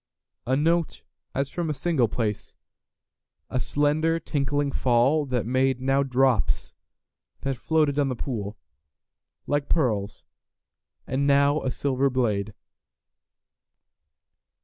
A note as from a single place,A slender tinkling fall that madeNow drops that floated on the poolLike pearls, and now a silver blade.